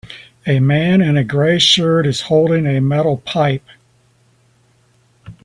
A man in a gray shirt is holding a metal pipe.